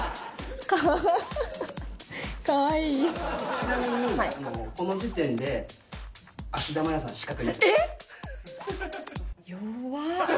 ちなみにこの時点で芦田愛菜さん失格。